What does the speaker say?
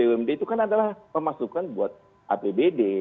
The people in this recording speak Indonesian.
harusnya keuntungan bumd itu kan adalah pemasukan buat apbd